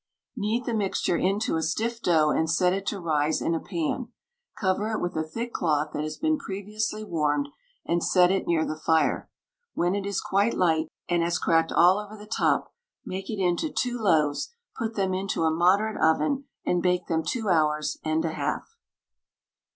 Knead the mixture into a stiff dough, and set it to rise in a pan. Cover it with a thick cloth that has been previously warmed, and set it near the fire. When it is quite light, and has cracked all over the top, make it into two loaves; put them into a moderate oven, and bake them two hours and a half.